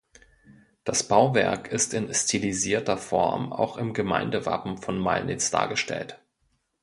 Das Bauwerk ist in stilisierter Form auch im Gemeindewappen von Mallnitz dargestellt.